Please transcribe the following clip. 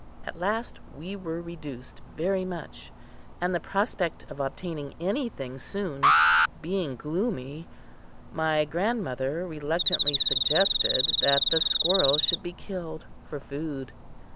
At last we were reduced very much, and the prospect of obtaining anything soon being gloomy, my grandmother reluctantly suggested that the squirrel should be killed for food.